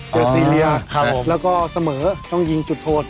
ซีเรียแล้วก็เสมอต้องยิงจุดโทษ